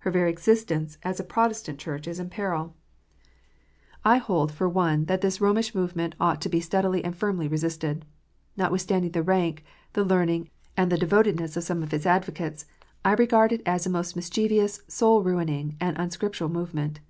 Her very existence as a Protestant Church, is in peril. 2 D 418 KNOTS UNTIED. I hold, for one, that this Romish movement ought to be steadily and firmly resisted. Notwithstanding the rank, the learning, and the devotedness of some of its advocates, I regard it as a most mischievous, soul ruining, and unscriptural move ment.